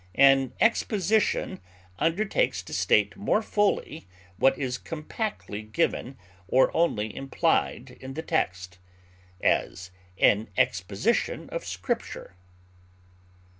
An exposition undertakes to state more fully what is compactly given or only implied in the text; as, an exposition of Scripture.